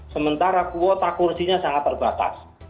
sementara kuota kursinya sangat terbatas